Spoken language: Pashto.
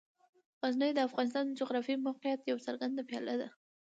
غزني د افغانستان د جغرافیایي موقیعت یوه څرګنده پایله ده.